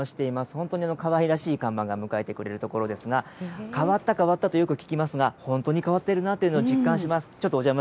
本当にかわいらしい看板が迎えてくれる所ですが、変わった変わったとよく聞きますが、本当に変わってるなというのを実感します。